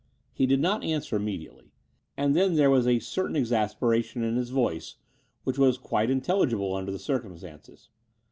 He did not answer immediately : and then there was a certain exasperation in his voice, which was quite intelligible under the circumstances.